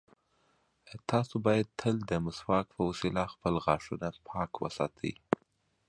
تاسو باید تل د مسواک په وسیله خپل غاښونه پاک وساتئ.